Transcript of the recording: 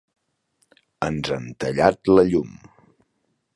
Ens han tallat la llum.